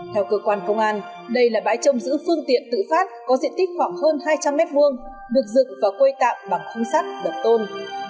theo cơ quan công an đây là bãi trông giữ phương tiện tự phát có diện tích khoảng hơn hai trăm linh m hai được dựng và quây tạm bằng khung sắt đập tôn